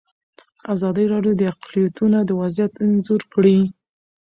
ازادي راډیو د اقلیتونه وضعیت انځور کړی.